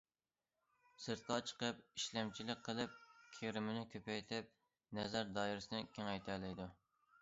سىرتقا چىقىپ ئىشلەمچىلىك قىلىپ، كىرىمنى كۆپەيتىپ، نەزەر دائىرىسىنى كېڭەيتەلەيدۇ.